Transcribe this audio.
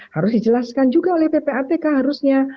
harus dijelaskan juga oleh ppatk harusnya